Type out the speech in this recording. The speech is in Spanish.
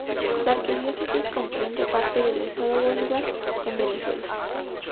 La arquidiócesis comprende parte del estado Bolívar en Venezuela.